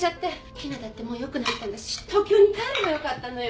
ひなだってもうよくなったんだし東京に帰ればよかったのよ。